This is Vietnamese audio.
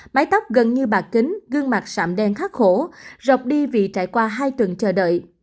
máy tóc gần như bạc kính gương mặt sạm đen khát khổ rọc đi vì trải qua hai tuần chờ đợi